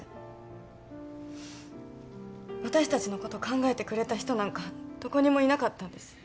私たちのこと考えてくれた人なんかどこにもいなかったんです。